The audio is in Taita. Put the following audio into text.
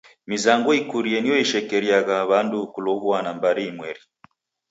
Mizango ikurie nio shekeria ya w'andu kulow'uana mbari inmweri.